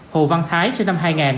hồ văn thái sinh năm hai nghìn